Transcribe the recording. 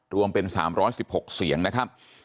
รวมเป็น๓๑๖เสียงนะครับ